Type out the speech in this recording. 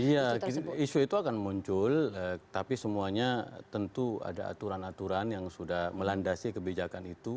iya isu itu akan muncul tapi semuanya tentu ada aturan aturan yang sudah melandasi kebijakan itu